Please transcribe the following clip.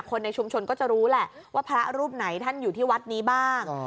ในชุมชนก็จะรู้แหละว่าพระรูปไหนท่านอยู่ที่วัดนี้บ้าง